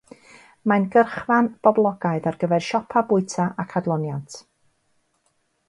Mae'n gyrchfan boblogaidd ar gyfer siopa, bwyta ac adloniant.